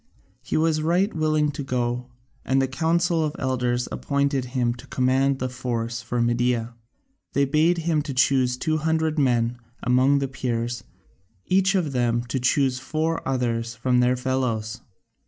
He was right willing to go, and the Council of Elders appointed him to command the force for Media. They bade him choose two hundred men among the Peers, each of them to choose four others from their fellows.